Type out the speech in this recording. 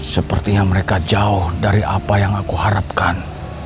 sepertinya mereka jauh dari apa yang aku harapkan